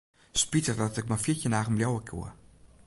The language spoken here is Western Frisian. Spitich dat ik mar fjirtjin dagen bliuwe koe.